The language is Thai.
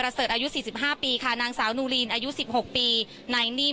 พูดสิทธิ์ข่าวธรรมดาทีวีรายงานสดจากโรงพยาบาลพระนครศรีอยุธยาครับ